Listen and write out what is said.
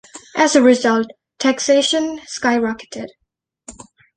As a result, taxation skyrocketed.